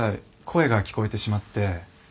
声が聞こえてしまって。